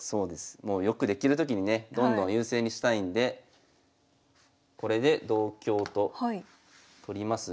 もう良くできるときにねどんどん優勢にしたいんでこれで同香と取りますが。